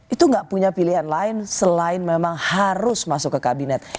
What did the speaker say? itu nggak punya pilihan lain selain memang harus masuk ke kabinet